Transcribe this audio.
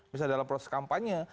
misalnya dalam proses kampanye